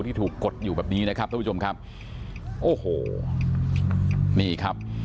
ที่ถูกกดอยู่แบบนี้นะครับท่านผู้ชมครับโอ้โหนี่ครับ